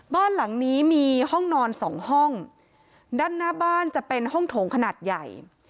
บ้านหลังนี้มีห้องนอนสองห้องด้านหน้าบ้านจะเป็นห้องโถงขนาดใหญ่